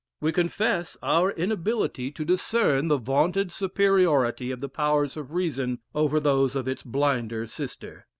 We confess our inability to discern the vaunted superiority of the powers of reason over those of its blinder sister.